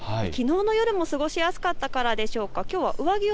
きのうの夜も過ごしやすかったからでしょうか。